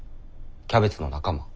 キャベツの仲間。